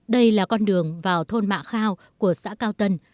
đây là con đường vào thôn mạ khao của xã cao tân